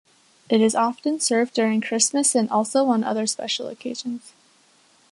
It is often served during Christmas and also on other special occasions.